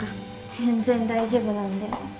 全然大丈夫なんで。